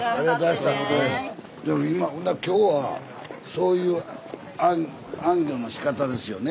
今日はそういう行脚のしかたですよね。